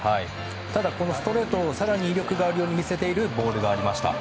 ただ、このストレートを更に威力があるように見せているボールがありました。